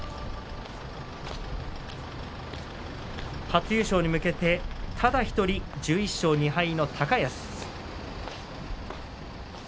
初優勝に向けてただ１人１１勝２敗の高安。